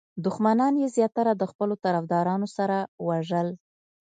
دښمنان یې زیاتره د خپلو طرفدارانو سره وژل.